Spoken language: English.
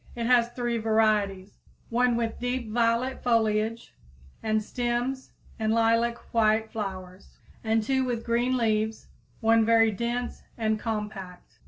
It has three varieties; one with deep violet foliage and stems and lilac white flowers, and two with green leaves, one very dense and compact.